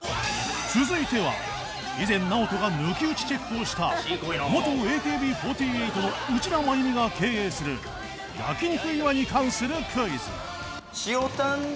続いては以前ナオトが抜き打ちチェックをした元 ＡＫＢ４８ の内田眞由美が経営する焼肉 ＩＷＡ に関するクイズ